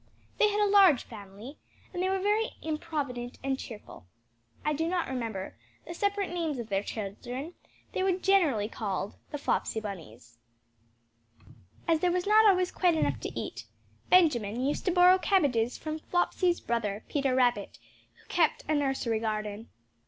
They had a large family, and they were very improvident and cheerful. I do not remember the separate names of their children; they were generally called the "Flopsy Bunnies." As there was not always quite enough to eat, Benjamin used to borrow cabbages from Flopsy's brother, Peter Rabbit, who kept a nursery garden.